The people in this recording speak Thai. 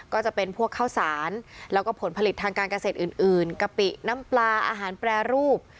ก็จะเป็นพวกข้าวสารแล้วก็ผลผลิตทางการเกษตรอื่นกะปิน้ำปลาอาหารแปรรูป